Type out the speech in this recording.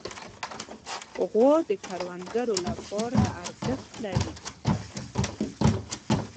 غوا د کروندګرو لپاره ارزښت لري.